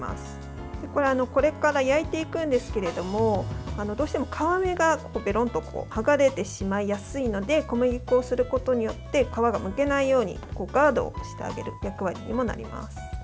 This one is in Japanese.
これから焼いていくんですけれどもどうしても皮目がべろんとはがれてしまいやすいので小麦粉をすることによって皮がむけないようにガードをしてあげる役割にもなります。